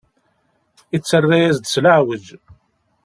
Yettarra-yas-d s leɛweǧ.